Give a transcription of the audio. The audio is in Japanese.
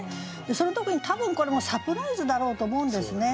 その時に多分これもサプライズだろうと思うんですね。